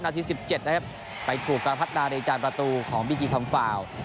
๑๗นะครับไปถูกการพัฒนาในจานประตูของบีจีทอมฟาว